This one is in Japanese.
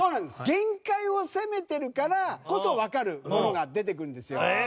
限界を攻めてるからこそわかるものが出てくるんですよ。